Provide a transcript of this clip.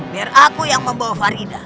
biar aku yang membawa farida